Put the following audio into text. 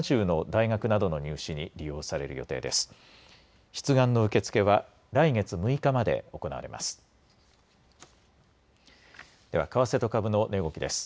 出願の受け付けは来月６日まで行われます。